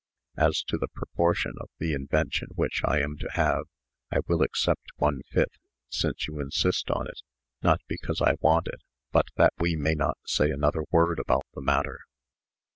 As to the proportion of the invention which I am to have, I will accept one fifth, since you insist on it, not because I want it, but that we may not say another word about the matter."